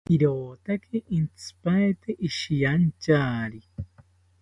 Irotaki intzipaete ishiyanchari